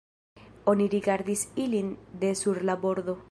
Oni rigardis ilin de sur la bordo.